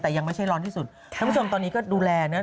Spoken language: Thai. แต่ยังไม่ใช่ร้อนที่สุดท่านผู้ชมตอนนี้ก็ดูแลนะ